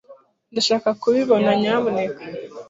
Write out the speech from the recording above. Ndashaka kubibona, nyamuneka.